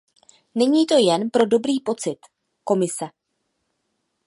Není to jen pro dobrý pocit Komise.